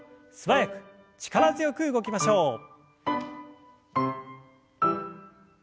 素早く力強く動きましょう。